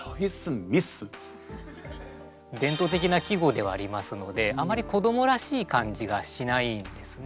伝統的な季語ではありますのであまり子どもらしい感じがしないんですね。